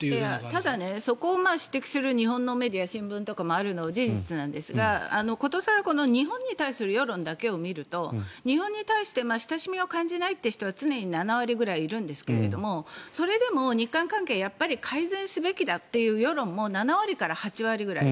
ただ、そこを指摘する日本のメディア新聞とかがあるのは事実なんですが殊更日本に対する世論だけを見ると日本に対して親しみを感じないという人は常に７割ぐらいいるんですがそれでも日韓関係改善するべきだという世論も７割から８割ぐらい。